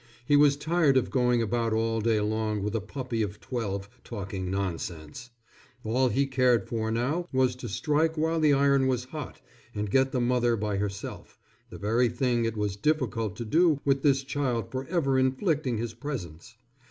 He was tired of going about all day long with a puppy of twelve, talking nonsense. All he cared for now was to strike while the iron was hot and get the mother by herself, the very thing it was difficult to do with this child forever inflicting his presence.